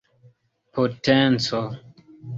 potenco